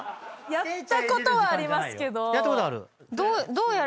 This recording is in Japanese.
やったことはありますけど。